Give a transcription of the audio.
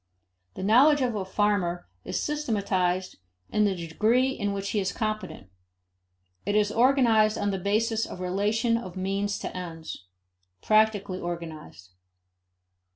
The knowledge of a farmer is systematized in the degree in which he is competent. It is organized on the basis of relation of means to ends practically organized.